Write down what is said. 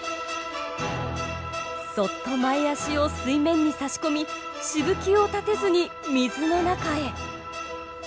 そっと前足を水面にさし込みしぶきを立てずに水の中へ。